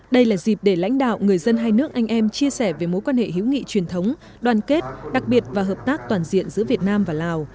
đây là dịp để lãnh đạo người dân hai nước anh em chia sẻ về mối quan hệ hữu nghị truyền thống đoàn kết đặc biệt và hợp tác toàn diện giữa việt nam và lào